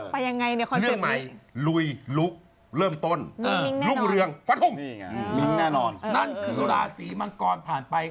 ไปยังไงเนี่ยเรื่องใหม่ลุยลุกเริ่มต้นลุกเรืองฟันธุงนั่นคือราศีมังกรผ่านไป